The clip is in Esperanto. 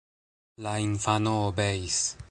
La infano obeis.